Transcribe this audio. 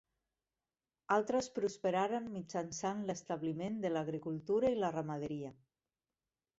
Altres prosperaren mitjançant l'establiment de l'agricultura i la ramaderia.